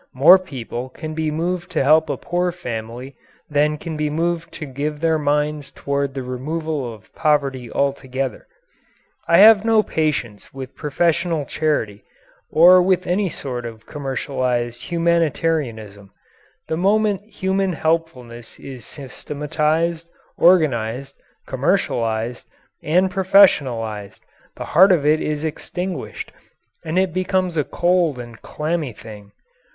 More people can be moved to help a poor family than can be moved to give their minds toward the removal of poverty altogether. I have no patience with professional charity, or with any sort of commercialized humanitarianism. The moment human helpfulness is systematized, organized, commercialized, and professionalized, the heart of it is extinguished, and it becomes a cold and clammy thing.